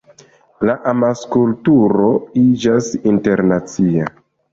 La amaskulturo iĝas internacia.